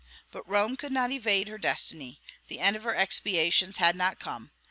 But Rome could not evade her destiny; the end of her expiations had not come.